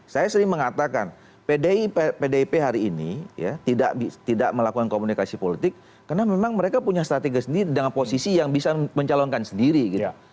saya sering mengatakan pdip hari ini ya tidak melakukan komunikasi politik karena memang mereka punya strategi sendiri dengan posisi yang bisa mencalonkan sendiri gitu